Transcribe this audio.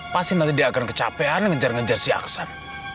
pasti nanti dia akan kecapean ngejar ngejar si aksad